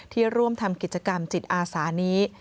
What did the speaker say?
ร่วมทำกิจกรรมจิตอาสานี้